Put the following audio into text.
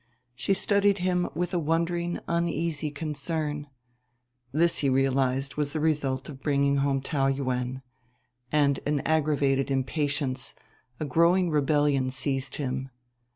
She studied him with a wondering uneasy concern. This he realized was the result of bring home Taou Yuen; and an aggravated impatience, a growing rebellion, seized him.